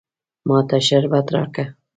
ما ته شربت راکه.